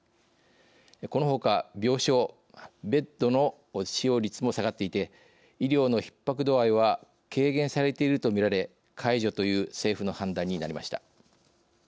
このほか病床＝ベッドの使用率も下がっていて医療のひっ迫度合いは軽減されているとみられ解除という政府の判断になりました。